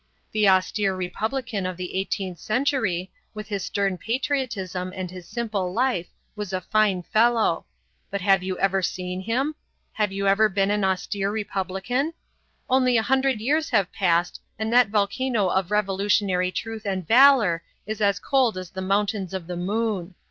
The austere republican of the eighteenth century, with his stern patriotism and his simple life, was a fine fellow. But have you ever seen him? have you ever seen an austere republican? Only a hundred years have passed and that volcano of revolutionary truth and valour is as cold as the mountains of the moon.